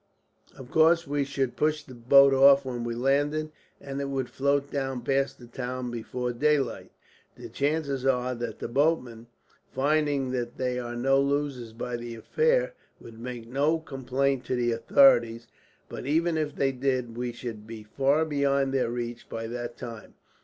"Of course we should push the boat off when we landed, and it would float down past the town before daylight. The chances are that the boatmen, finding that they are no losers by the affair, would make no complaint to the authorities; but even if they did, we should be far beyond their reach by that time.